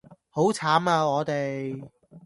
好慘啊我哋